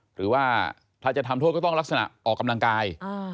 หรือว่าถ้าจะทำโทษก็ต้องลักษณะออกกำลังกาย